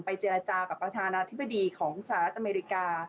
เจรจากับประธานาธิบดีของสหรัฐอเมริกา